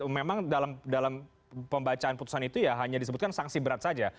memang dalam pembacaan putusan itu ya hanya disebutkan sanksi berat saja